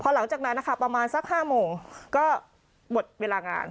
หลังจากนั้นนะคะประมาณสัก๕โมงก็หมดเวลางาน